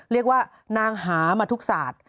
เรียกว่านางหามาทุกศาสตร์